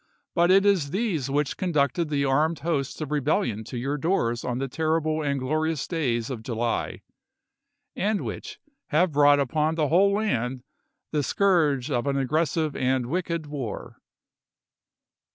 But it is these which conducted the armed hosts of rebellion to your doors on the Everett, terrible and glorious days of July, and which have ^IddS^ brought upon the whole land the scourge of an ag '^'ilea?^' gressive and wicked war."